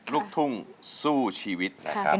ร้องได้ให้ล้าน